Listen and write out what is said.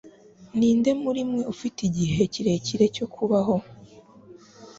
Ninde murimwe ufite igihe kirekire cyo kubaho